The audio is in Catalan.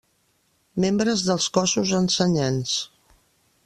Membres dels cossos ensenyants.